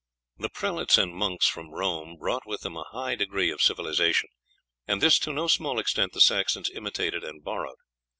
The prelates and monks from Rome brought with them a high degree of civilization, and this to no small extent the Saxons imitated and borrowed.